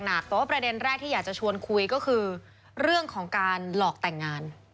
แต่ว่าประเด็นแรกที่อยากจะชวนคุยก็คือเรื่องของการหลอกแต่งงาน